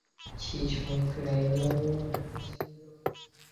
শ্রীশ মুখ ফিরাইয়া হাসিল।